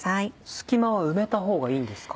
隙間は埋めたほうがいいんですか？